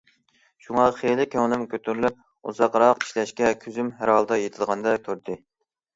شۇڭا خېلى كۆڭلۈم كۆتۈرۈلۈپ ئۇزاقراق ئىشلەشكە كۆزۈم ھەرھالدا يېتىدىغاندەك تۇردى.